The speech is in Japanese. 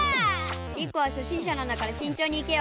リコは初心者なんだから慎重にいけよ。